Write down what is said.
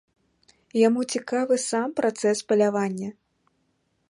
Яму цікавы сам працэс палявання.